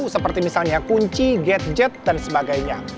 seperti misalnya kunci gadget dan sebagainya